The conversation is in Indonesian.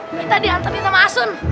kita diantarin sama asun